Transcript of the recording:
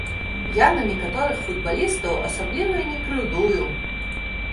Я на некаторых футбалістаў асабліва і не крыўдую.